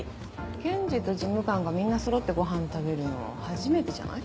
検事と事務官がみんなそろってご飯食べるの初めてじゃない？